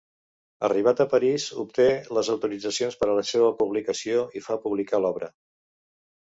Arribat a París, obté les autoritzacions per a la seva publicació i fa publicar l'obra.